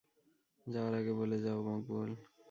যাওয়ার আগে বলে যাও, মকবুল!